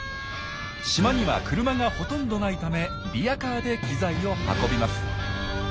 島には車がほとんどないためリヤカーで機材を運びます。